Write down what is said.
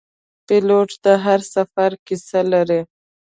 پیلوټ د هر سفر کیسه لري.